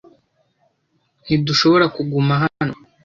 Ntidushobora kuguma hano.